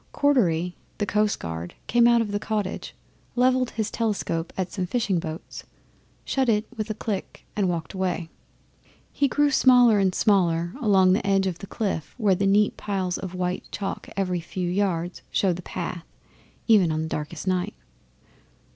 Cordery, the coastguard, came out of the cottage, levelled his telescope at some fishing boats, shut it with a click and walked away. He grew smaller and smaller along the edge of the cliff, where neat piles of white chalk every few yards show the path even on the darkest night.